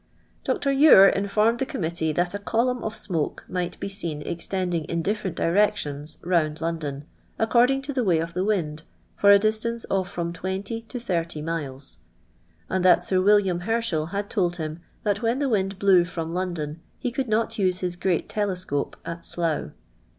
I Dr. Ure informed the Committee that a column of smoke might be seen extending in different ; directions round London, according to the way of } the wind, for a distance of from 20 to 30 miles ;| and that Sir William Herschel had told him that when the wind blew from London he could not ! use his great telescope at Slough.